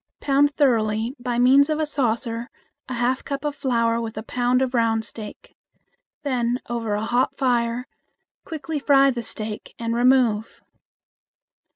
Pound thoroughly by means of a saucer a half cup of flour with a pound of round steak. Then over a hot fire quickly fry the steak and remove.